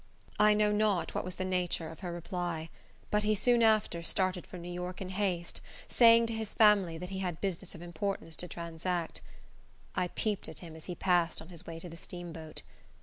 I know not what was the nature of her reply; but he soon after started for New York in haste, saying to his family that he had business of importance to transact. I peeped at him as he passed on his way to the steamboat.